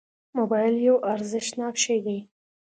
موبایل یو ارزښتناک شی دی.